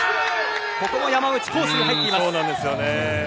ここも山内コースに入っています。